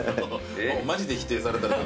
マジで否定されたら。